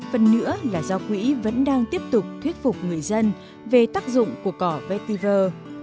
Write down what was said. phần nữa là do quỹ vẫn đang tiếp tục thuyết phục người dân về tác dụng của cỏ vtiver